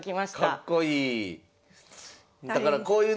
かっこいい。